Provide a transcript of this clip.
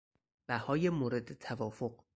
بهای مورد توافق